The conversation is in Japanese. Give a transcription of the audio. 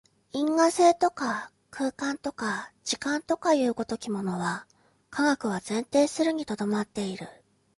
因果性とか空間とか時間とかという如きものは、科学は前提するに留まっている。